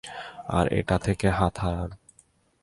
আর এটা থেকে হাত সরান।